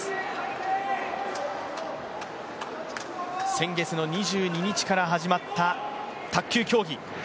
先月の２２日から始まった卓球競技。